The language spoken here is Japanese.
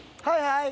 はい。